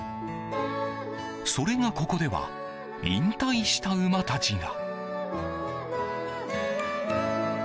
それがここでは引退した馬たちが。